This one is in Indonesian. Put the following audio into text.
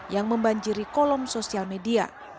yang membanjiri kolom sosial media